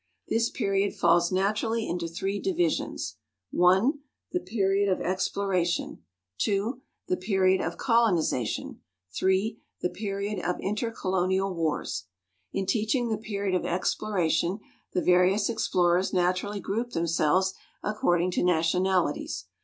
This period falls naturally into three divisions: (1) the period of exploration, (2) the period of colonization, (3) the period of intercolonial wars. In teaching the period of exploration the various explorers naturally group themselves according to nationalities.